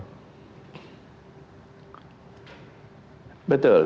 tetapi apakah permanen atau tidak permanen kita masih belum tahu begitu ya pak gubernur